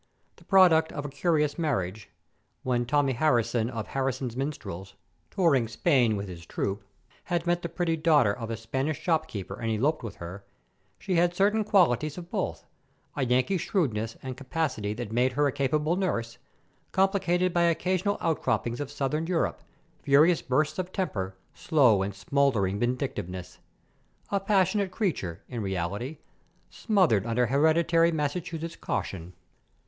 The product of a curious marriage, when Tommy Harrison of Harrison's Minstrels, touring Spain with his troupe, had met the pretty daughter of a Spanish shopkeeper and eloped with her, she had certain qualities of both, a Yankee shrewdness and capacity that made her a capable nurse, complicated by occasional outcroppings of southern Europe, furious bursts of temper, slow and smouldering vindictiveness. A passionate creature, in reality, smothered under hereditary Massachusetts caution.